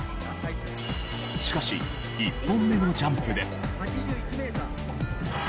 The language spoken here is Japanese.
しかし１本目のジャンプで。